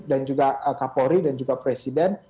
dan juga kapolri dan juga presiden